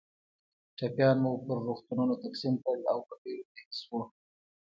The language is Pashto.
ټپیان مو پر روغتونونو تقسیم کړل او په بېړه رهي شوو.